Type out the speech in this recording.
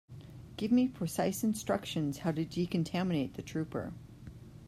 Give me precise instructions how to decontaminate the trooper.